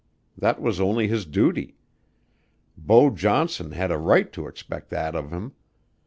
That was only his duty. Beau Johnson had a right to expect that of him.